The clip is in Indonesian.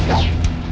tanda tekanku raden